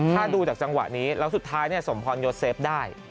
ถ้าดูจากจังหวะนี้แล้วสุดท้ายสมพรยศเซฟได้